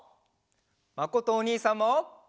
まことおにいさんも！